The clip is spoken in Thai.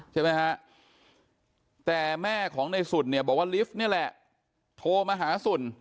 ใช่ไหมฮะแต่แม่ของในสุนเนี่ยบอกว่าลิฟต์นี่แหละโทรมาหาสุ่น